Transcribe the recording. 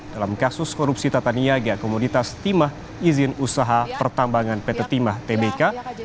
dalam kasus korupsi tata niaga komoditas timah izin usaha pertambangan peta timah tbk dua ribu lima belas dua ribu dua puluh dua